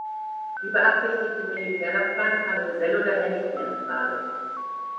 Die beabsichtigte Militärlaufbahn kam für Sello daher nicht mehr in Frage.